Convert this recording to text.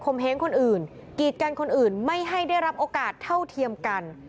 เฮ้งคนอื่นกีดกันคนอื่นไม่ให้ได้รับโอกาสเท่าเทียมกัน